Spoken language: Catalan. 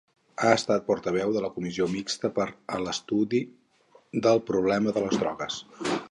Ha estat Portaveu de la Comissió Mixta per a l'Estudi del Problema de les Drogues.